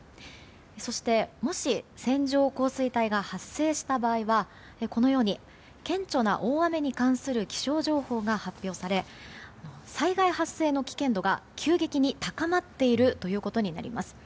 そして、もし線状降水帯が発生した場合はこのように、顕著な大雨に関する気象情報が発表され、災害発生の危険度が急激に高まっているということになります。